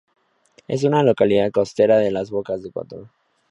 Es una localidad costera de las bocas de Kotor.